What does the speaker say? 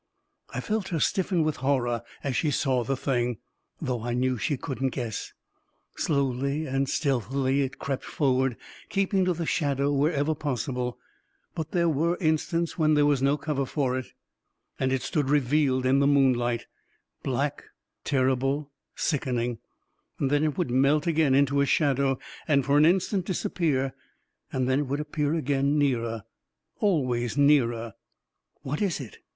I felt her stiffen with horror as she saw the thing, though I knew she couldn't guess ... Slowly and stealthily it crept forward, keeping to the shadow wherever possible; but there were in stants when there was no cover for it, and it stood revealed in the moonlight — black, terrible, sicken* ing; and then it would melt again into a shadow, and for an instant disappear; and then it would appear again, nearer — always nearer. " What is it?